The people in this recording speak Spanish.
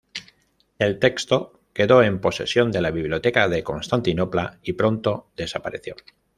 El texto quedó en posesión de la biblioteca de Constantinopla y pronto desapareció.